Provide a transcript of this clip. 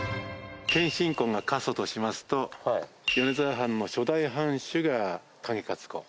謙信公が家祖としますと米沢藩の初代藩主が景勝公。